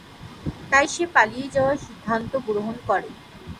তাই সে পালিয়ে যাওয়ার সিদ্ধান্ত গ্রহণ করে।